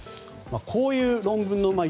こういう論文が。